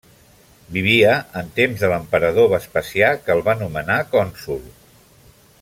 Vivia en temps de l'emperador Vespasià que el va nomenar cònsol.